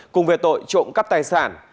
cùng về tội trộm cắp tài sản